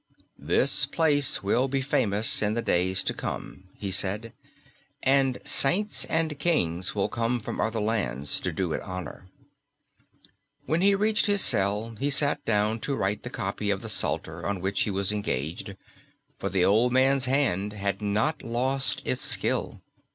"This place will be famous in the days to come," he said, "and saints and kings will come from other lands to do it honour." When he reached his cell he sat down to write the copy of the Psalter on which he was engaged, for the old man's hand had not lost its skill.